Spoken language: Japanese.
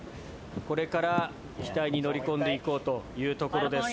これから機体に乗り込んでいこうというところです。